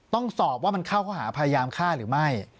ต้องสอบว่ามันเข้าเขาหาพยายามฆ่าหรือไม่